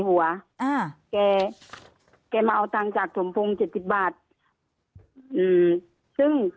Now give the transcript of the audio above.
หัวอ่าแกแกมาเอาตังค์จากสมพงศ์เจ็ดสิบบาทอืมซึ่ง